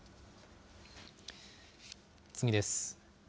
次です。